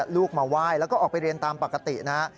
ลูกมาไหว้แล้วก็ออกไปเรียนตามปกตินะฮะ